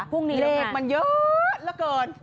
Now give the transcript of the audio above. พรุ่งนี้นะคะเลขมันเยอะเหลือเกิน